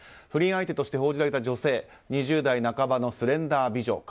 不倫相手として報じられた女性は２０代半ばのスレンダー美女。